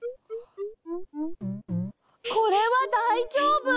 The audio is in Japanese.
これはだいじょうぶ！